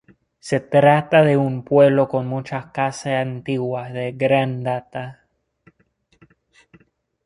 Se trata de un pueblo con muchas casas antiguas de gran data.